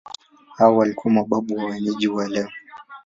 Hawa walikuwa mababu wa wenyeji wa leo.